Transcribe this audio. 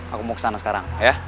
aku mau kesana sekarang ya